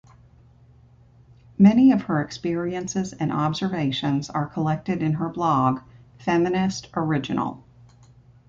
Many of her experiences and observations are collected in her blog "feminist-original".